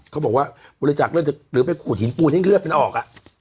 เขาบอกว่าบริจักษ์เลือดหรือเป็นขุดหินปูนให้เลือดเป็นออก